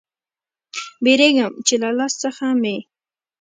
بیریږم چې له لاس څخه مې